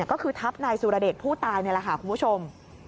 ก็คือทับนายสุรเดชผู้ตายนี่แหละค่ะคุณผู้ชม